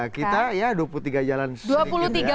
kita ya dua puluh tiga jalan sedikit ya